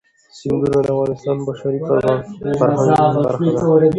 سیندونه د افغانستان د بشري فرهنګ برخه ده.